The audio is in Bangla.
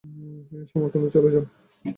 তিনি সমরকন্দে চলে যান।